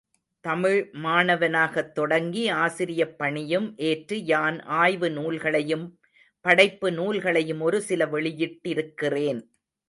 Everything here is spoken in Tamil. தமிழ் மாணவனாகத் தொடங்கி ஆசிரியப் பணியும் ஏற்று யான் ஆய்வு நூல்களையும் படைப்பு நூல்களையும் ஒரு சில வெளியிட்டிருக்கிறேன்.